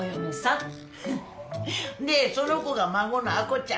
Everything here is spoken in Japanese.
んでその子が孫の亜子ちゃん。